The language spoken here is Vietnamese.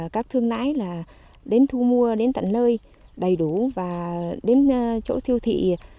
các thương nãi đến thu mua đến tận nơi đầy đủ và đến chỗ siêu thị